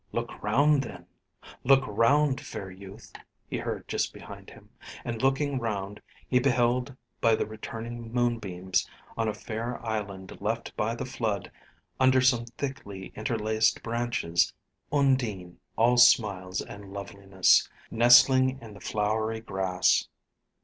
"Look round then look round, fair youth!" he heard just behind him, and looking round, he beheld by the returning moonbeams, on a fair island left by the flood, under some thickly interlaced branches, Undine all smiles and loveliness, nestling in the flowery grass.